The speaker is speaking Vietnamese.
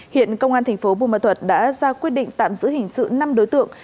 hiện công an tp bù mật thuật đã ra quyết định tạm giữ hình sự năm đối tượng